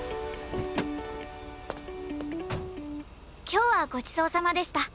今日はごちそうさまでした。